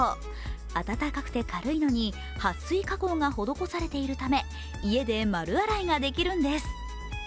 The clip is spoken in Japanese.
暖かくて軽いのにはっ水加工が施されているため家で丸洗いができるんです。